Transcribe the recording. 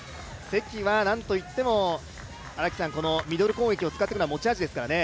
関は何といってもミドル攻撃を使ってくるのが持ち味ですからね。